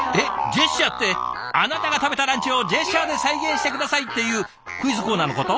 ジェスチャーって「あなたが食べたランチをジェスチャーで再現して下さい」っていうクイズコーナーのこと？